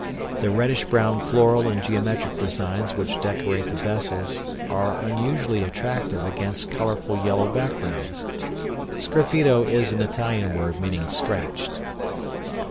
The reddish brown floral and geometric designs which decorate the vessels are unusually attractive against colorful yellow backgrounds. Sgraffito is an Italian word meaning scratched.